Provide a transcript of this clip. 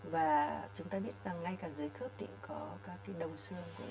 và chúng ta biết rằng ngay cả dưới khớp thì có các cái đồng xương